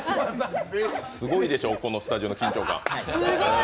すごいでしょ、このスタジオの緊張感。